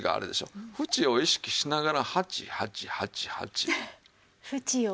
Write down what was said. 縁を意識しながら８８８８。